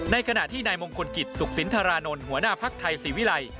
ขณะที่นายมงคลกิจสุขสินธารานนท์หัวหน้าภักดิ์ไทยศรีวิรัย